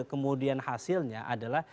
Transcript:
kemudian hasilnya adalah